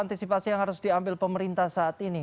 antisipasi yang harus diambil pemerintah saat ini